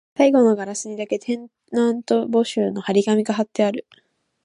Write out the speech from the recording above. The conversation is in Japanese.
最後のガラスにだけ、テナント募集の張り紙が張ってある